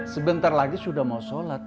sebentar lagi sudah mau sholat